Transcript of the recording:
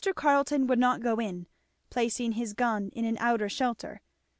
Carleton would not go in, placing his gun in an outer shelter.